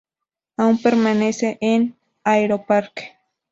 Aun permanece en Aeroparque.